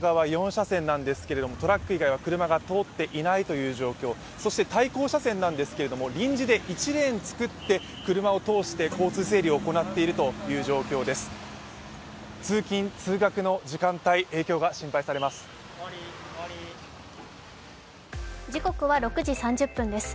４車線なんですけれどもトラック以外は車が通っていないという状況そして対向車線なんですけれども臨時で１レーン作って、車を通して交通整理を行っているという状況です。